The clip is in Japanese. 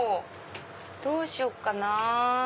どうしよっかなぁ。